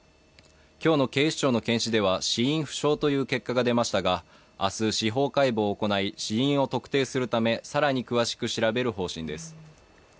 今日の警視庁の検視では死因不詳という結果が出ましたが明日、司法解剖を行い死因を特定するため更に詳しく調べる方針です